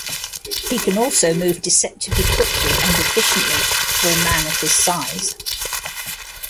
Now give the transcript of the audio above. He can also move deceptively quickly and efficiently for a man of his size.